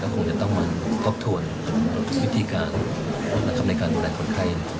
เดี๋ยวต้องมาควบคุมวิธีการในการดูแลคนไข้